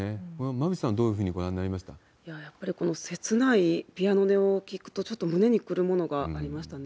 馬渕さん、どういうふうにご覧にやっぱり、この切ないピアノの音を聴くと、ちょっと胸にくるものがありましたね。